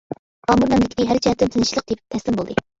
ئامۇر مەملىكىتى ھەر جەھەتتىن تىنچلىق تېپىپ تەسلىم بولدى.